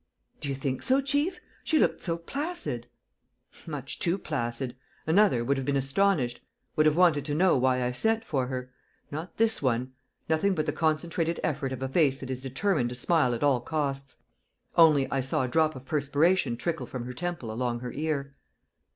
"Do you think so, chief? She looked so placid!" "Much too placid. Another would have been astonished, would have wanted to know why I sent for her. Not this one! Nothing but the concentrated effort of a face that is determined to smile at all costs. Only, I saw a drop of perspiration trickle from her temple along her ear."